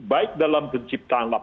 baik dalam penciptaan ekonomi